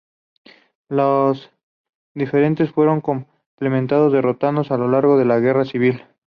Los federales fueron completamente derrotados a lo largo de una larga guerra civil.